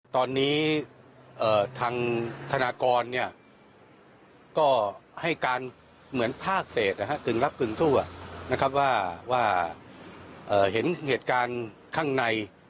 ตอนนี้ทางธนากรก็ให้การเหมือนภาคเศษกึ่งรับกึ่งสู้นะครับว่าเห็นเหตุการณ์ข้างใน